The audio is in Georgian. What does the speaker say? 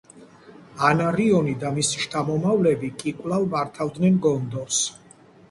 ანარიონი და მისი შთამომავლები კი კვლავ მართავდნენ გონდორს.